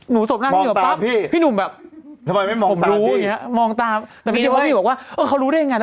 หนูว่าคิดตามเออเค้ารู้ได้ยังไง